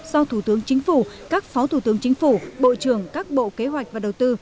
do thủ tướng chính phủ các phó thủ tướng chính phủ bộ trưởng các bộ kế hoạch và đầu tư